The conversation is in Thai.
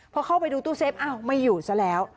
พอเข้าไปดูตู้เซฟอ้าวไม่อยู่ซะแล้ว